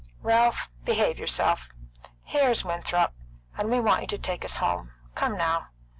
"Ralph, behave yourself! Here's Winthrop, and we want you to take us home. Come now!"